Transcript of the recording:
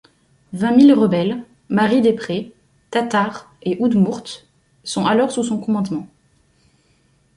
Vingt mille rebelles, Maris des prés, Tatars, et Oudmourtes sont alors sous son commandement.